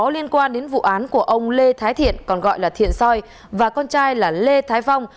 liên quan đến vụ án của ông lê thái thiện còn gọi là thiện soi và con trai là lê thái phong